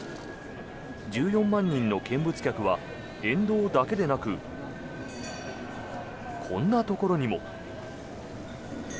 １４万人の見物客は沿道だけでなくこんなところにも。